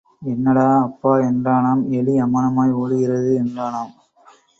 என்னடா அப்பா என்றானாம் எலி அம்மணமாய் ஓடுகிறது என்றானாம்.